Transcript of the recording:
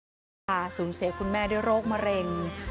แต่ตรงนี้อีกวันก็เรียกว่าว่าศูนย์เสียคุณแม่ด้วยโรคมะเร็ง